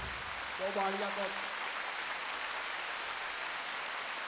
どうもありがとう！